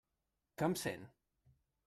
Que em sent?